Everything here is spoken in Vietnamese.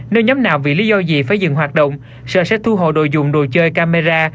nơi nhóm nào vì lý do gì phải dừng hoạt động sở sẽ thu hộ đồ dùng đồ chơi camera